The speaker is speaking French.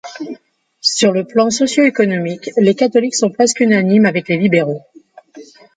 Sur le plan socio-économique, les catholiques sont presque unanimes avec les libéraux.